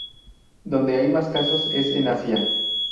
Donde hay más casos, es en Asia.